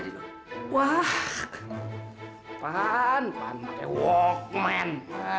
apaan apaan pake walkman